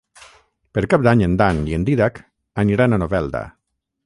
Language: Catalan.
Per Cap d'Any en Dan i en Dídac aniran a Novelda.